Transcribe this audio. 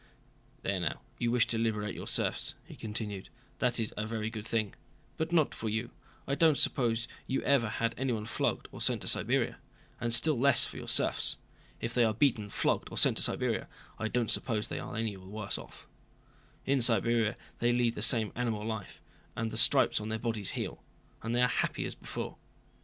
"There now, you wish to liberate your serfs," he continued; "that is a very good thing, but not for you—I don't suppose you ever had anyone flogged or sent to Siberia—and still less for your serfs. If they are beaten, flogged, or sent to Siberia, I don't suppose they are any the worse off. In Siberia they lead the same animal life, and the stripes on their bodies heal, and they are happy as before.